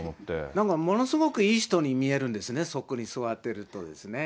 なんかものすごくいい人に見えるんですね、そこに座っているとですね。